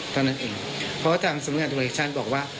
ตอนนั้นเองเพราะว่าทางสมัยการธุรกิจชั้นบอกว่า